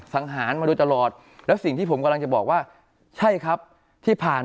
ฟ้ายฆ่าคนมากกว่าสงคามโลกครั้งที่สองอีกคนตาย